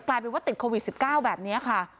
กลายเป็นว่าติดโควิด๑๙แบบนี้ค่ะ